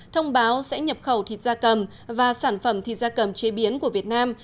thông báo sẽ nhập khẩu thịt gia cầm và sản phẩm thịt gia cầm chế biến của việt nam